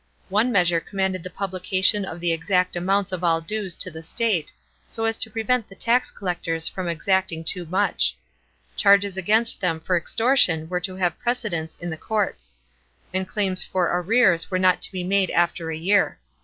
One measure commanded the publication of the exact amounts of all dues to the state, so as to prevent the tax collectors from exacting too much ; charges against them for extortion were to have precedence in the courts ; and claims for arrears were not to be made after a year.